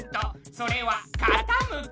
それはかたむき。